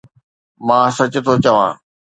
مان سچ ٿو چوان